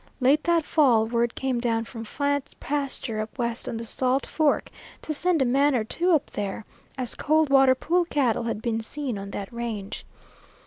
Late that fall word came down from Fant's pasture up west on the Salt Fork to send a man or two up there, as Coldwater Pool cattle had been seen on that range.